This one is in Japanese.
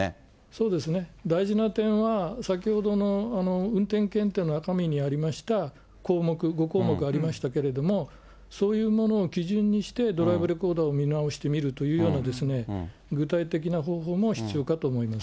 そうですね、大事な点は、先ほどの運転検定の中身にありました項目、５項目ありましたけれども、そういうものを基準にしてドライブレコーダーを見直してみるというような具体的な方法も必要かと思います。